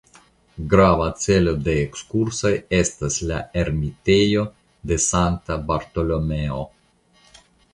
Grava celo de ekskursoj estas la ermitejo de Sankta Bartolomeo.